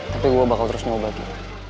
tapi gue bakal terus nyoba ki